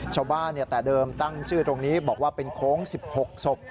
ชวบ้านเนี่ยแต่เดิมตั้งชื่อตรงนี้บอกว่าเป็นโครงสิบหกศพ